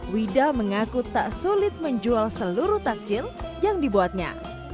wida mengaku tak sulit menjual seluruh takjil yang dibuatnya